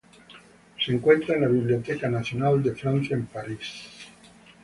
Se encuentra en la Biblioteca Nacional de Francia en París.